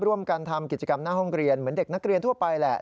ร่วมกันทำกิจกรรมหน้าห้องเรียนเหมือนเด็กนักเรียนทั่วไปแหละ